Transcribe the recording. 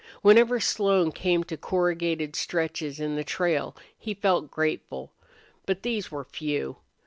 Whenever Slone came to corrugated stretches in the trail he felt grateful. But these were few.